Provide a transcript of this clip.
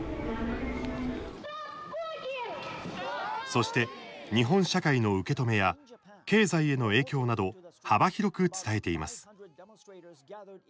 そして、日本社会の受け止めや経済への影響など幅広く伝えています。